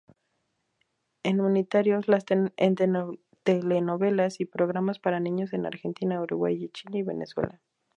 En unitarios, en telenovelas y programas para niños en Argentina, Uruguay, Chile y Venezuela.